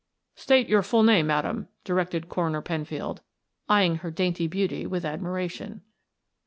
"State your full name, madam," directed Coroner Penfield, eyeing her dainty beauty with admiration.